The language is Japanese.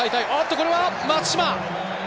これは松島。